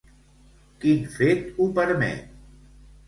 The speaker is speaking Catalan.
Quin fet ho permet?